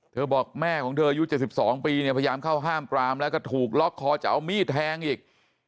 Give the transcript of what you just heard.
บอกแม่ของเธออายุ๗๒ปีเนี่ยพยายามเข้าห้ามปรามแล้วก็ถูกล็อกคอจะเอามีดแทงอีก